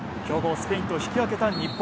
スペインと引き分けた日本。